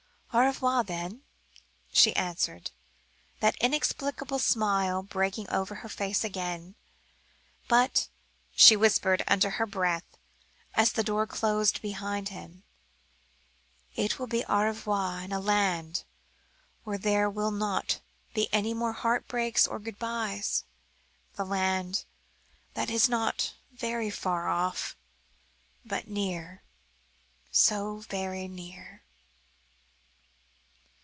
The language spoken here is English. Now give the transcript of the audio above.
"Au revoir, then," she answered, that inexplicable smile breaking over her face again. "But," she whispered under her breath, as the door closed behind him, "it will be au revoir in a land where there will not be any more heart breaks or good byes the land that is not very far off but near so very near."